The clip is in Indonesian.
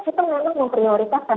kita memang memprioritaskan